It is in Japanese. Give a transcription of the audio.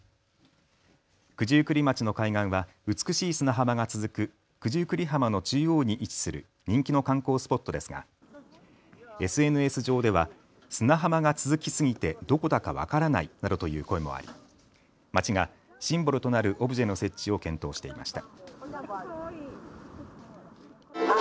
九十九里町の海岸は美しい砂浜が続く九十九里浜の中央に位置する人気の観光スポットですがＳＮＳ上では砂浜が続きすぎてどこだか分からないなどという声もあり町がシンボルとなるオブジェの設置を検討していました。